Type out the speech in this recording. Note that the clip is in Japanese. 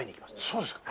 そうですか。